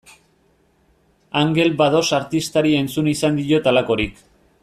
Angel Bados artistari entzun izan diot halakorik.